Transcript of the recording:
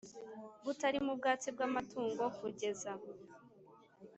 butarimo ubwatsi bw amatungo kugeza